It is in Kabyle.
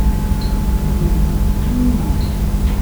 Qqlen-d seg ssinima.